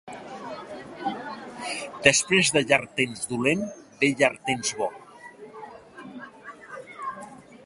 Després de llarg temps dolent ve llarg temps bo.